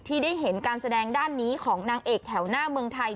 ที่ได้เห็นการแสดงด้านนี้ของนางเอกแถวหน้าเมืองไทย